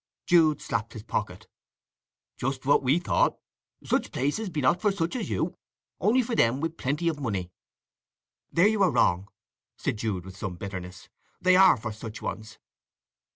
Jude slapped his pocket. "Just what we thought! Such places be not for such as you—only for them with plenty o' money." "There you are wrong," said Jude, with some bitterness. "They are for such ones!"